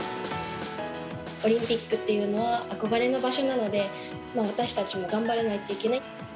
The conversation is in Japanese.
オリンピックっていうのは憧れの場所なので、私たちも頑張らないといけない。